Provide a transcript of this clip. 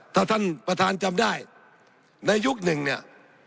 ถ้าท่านประธานจำได้ในยุคหนึ่งเนี่ย